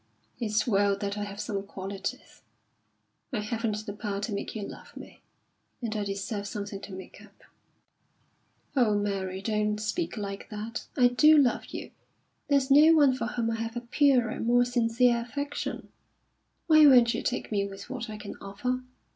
"It's well that I have some qualities. I haven't the power to make you love me, and I deserve something to make up." "Oh, Mary, don't speak like that! I do love you! There's no one for whom I have a purer, more sincere affection. Why won't you take me with what I can offer?